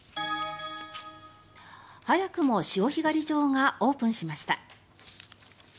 早くも潮干狩り場がオープンしました。